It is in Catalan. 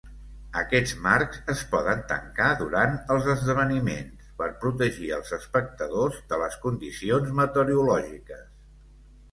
Aquests marcs es poden tancar durant els esdeveniments, per protegir els espectadors de les condicions meteorològiques.